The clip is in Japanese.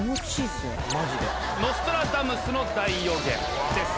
『ノストラダムスの大予言』です。